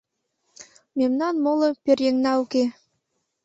Мемнан моло пӧръеҥна уке.